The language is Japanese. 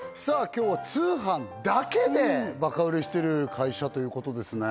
今日は通販だけでバカ売れしてる会社ということですね